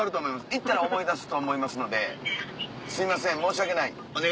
行ったら思い出すと思いますのですいません申し訳ない。